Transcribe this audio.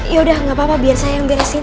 yaudah gapapa biar saya yang beresin